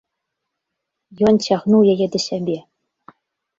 Ён цягнуў яе да сябе.